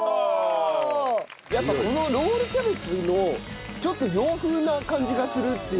やっぱこのロールキャベツのちょっと洋風な感じがするっていうのも。